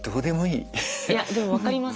いやでも分かります。